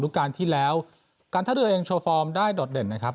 ทุกการที่แล้วกันทะเดือเองได้ดอดเด่นนะครับ